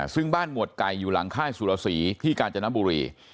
ซึ่งบ้านหมวดไก่อยู่หลังค่ายสุรสีที่กาญจนบุรี